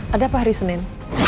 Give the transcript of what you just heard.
ada apa hari senin